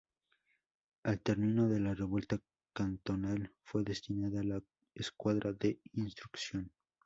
Al terminó de la revuelta cantonal, fue destinada a la Escuadra de Instrucción.